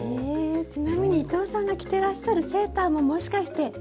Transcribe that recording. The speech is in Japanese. ちなみに伊藤さんが着ていらっしゃるセーターももしかして。